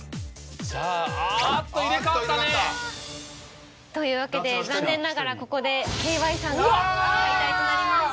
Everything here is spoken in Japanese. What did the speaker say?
さぁあっと入れ替わったね。というわけで残念ながらここでけいわいさんが敗退となります。